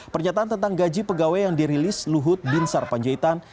pernyataan tentang gaji pegawai yang dirilis luhut binsar panjaitan